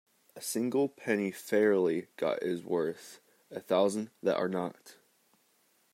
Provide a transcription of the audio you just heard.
A single penny fairly got is worth a thousand that are not.